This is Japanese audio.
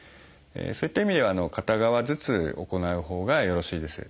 そういった意味では片側ずつ行うほうがよろしいです。